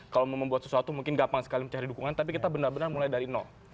kalau mau membuat sesuatu mungkin gampang sekali mencari dukungan tapi kita benar benar mulai dari nol